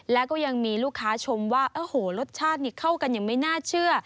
แล้วก็ยังมีลูกค้าชมว่าโอ้โหรสชาตินี่เข้ากันอย่างไม่น่าเชื่อ